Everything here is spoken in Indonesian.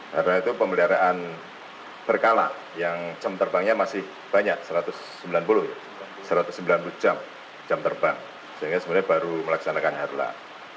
karena itu pemeliharaan berkala yang jam terbangnya masih banyak satu ratus sembilan puluh jam terbang sehingga sebenarnya baru melaksanakan herlah